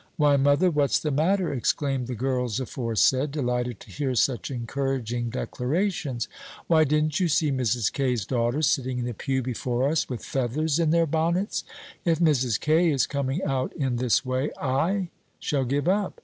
"Why, mother, what's the matter?" exclaimed the girls aforesaid, delighted to hear such encouraging declarations. "Why, didn't you see Mrs. K.'s daughters sitting in the pew before us with feathers in their bonnets? If Mrs. K. is coming out in this way, I shall give up.